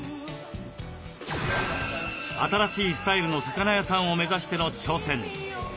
新しいスタイルの魚屋さんを目指しての挑戦。